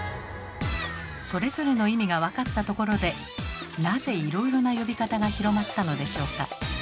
それぞれの意味が分かったところでなぜいろいろな呼び方が広まったのでしょうか。